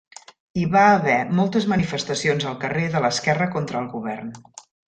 Hi va haver moltes manifestacions al carrer de l'esquerra contra el govern.